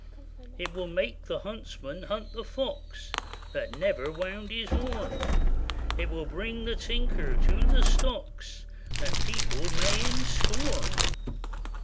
It will make the huntsman hunt the fox, That never wound his horn; It will bring the tinker to the stocks, That people may him scorn.